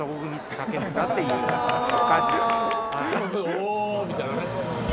おおみたいなね。